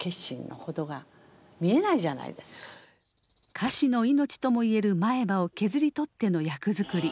歌手の命とも言える前歯を削り取っての役作り。